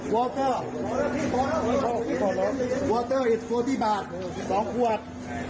วอเตอร์วอเตอร์โบตี้บาท๒ขวด